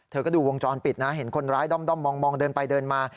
เธอก็ดูวงจรปิดนะเห็นคนร้ายด้อมมองเดินไปเดินมา